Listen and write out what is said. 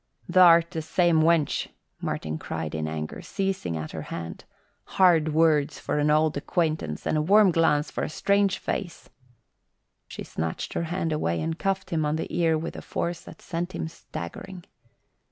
"Th'art the same wench," Martin cried in anger, seizing at her hand. "Hard words for old acquaintance, and a warm glance for a strange face." She snatched her hand away and cuffed him on the ear with a force that sent him staggering.